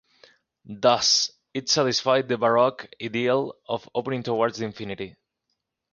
Thus, it satisfied the baroque ideal of opening towards the infinity.